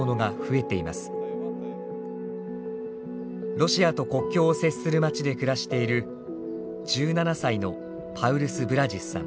ロシアと国境を接する町で暮らしている１７歳のパウルス・ブラジスさん。